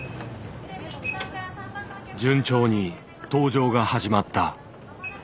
順調に搭乗が始まった。